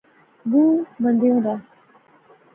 بہوں مندیاں دا